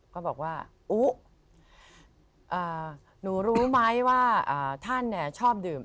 ก็บอกว่าอุ๊หนูรู้ไหมว่าท่านชอบดื่ม